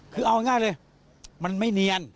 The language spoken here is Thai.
คือเอาง่ายเลยมันไม่เนียน